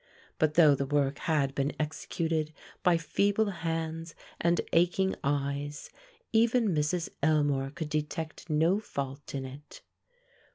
But, though the work had been executed by feeble hands and aching eyes, even Mrs. Elmore could detect no fault in it.